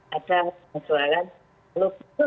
kalau betul betul tidak mampu